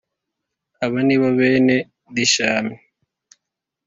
Aba ni bo bene Dishani